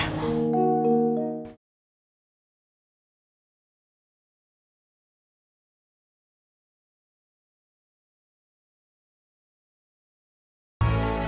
om siapin ya